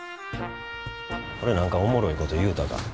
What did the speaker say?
俺何かおもろいこと言うたか？